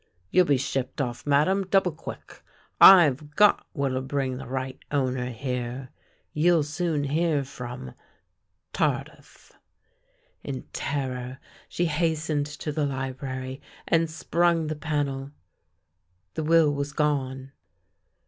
You'll be shipped off, Madame, double quick. I've got what'll bring the right owner here. You'll soon hear from " Tardif." In terror she hastened to the library and sprung the panel. The will was gone.